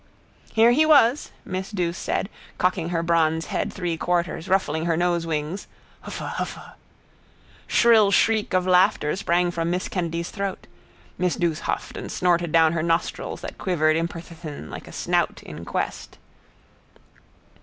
—Here he was, miss Douce said, cocking her bronze head three quarters, ruffling her nosewings. Hufa! Hufa! Shrill shriek of laughter sprang from miss Kennedy's throat. Miss Douce huffed and snorted down her nostrils that quivered imperthnthn like a snout in quest.